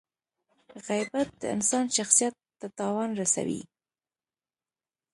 • غیبت د انسان شخصیت ته تاوان رسوي.